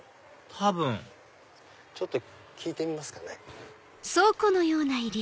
多分ちょっと聞いてみますかね。